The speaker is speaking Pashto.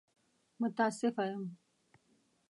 متاسفه يم!